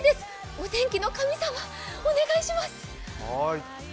お天気の神様、お願いします。